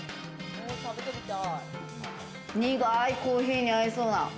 苦いコーヒーに合いそうな。